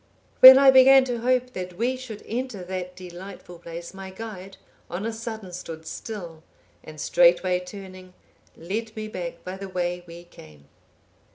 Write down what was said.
When I began to hope that we should enter that delightful place, my guide, on a sudden stood still; and straightway turning, led me back by the way we came.